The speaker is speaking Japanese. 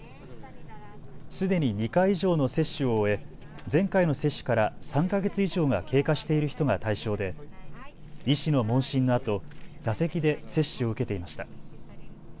すでに２回以上の接種を終え前回の接種から３か月以上が経過している人が対象で医師の問診のあと座席で接種を受けていました。